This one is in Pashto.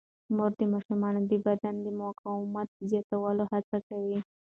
مور د ماشومانو د بدن د مقاومت زیاتولو هڅه کوي.